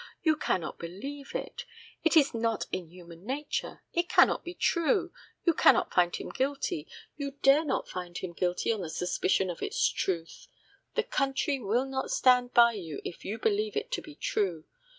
You cannot believe it. It is not in human nature. It cannot be true. You cannot find him guilty you dare not find him guilty on the supposition of its truth. The country will not stand by you if you believe it to be true.